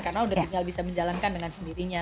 karena udah tinggal bisa menjalankan dengan kebahagiaan